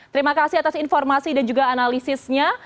terima kasih atas informasi dan juga analisisnya